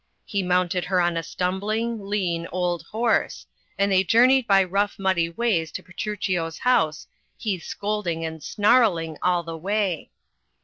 He mounted her on a stumbling, lean, old horse, and they journeyed by rough muddy ways to Petruchio's house, he scolding and snarling all the way.